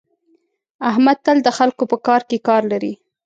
احمد تل د خلکو په کار کې کار لري.